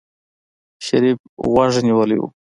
شريف غوږ نيولی و.